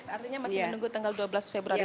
artinya masih menunggu tanggal dua belas februari